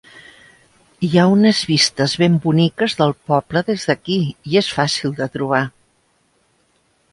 Hi ha unes vistes ben boniques del poble des d'aquí i és fàcil de trobar.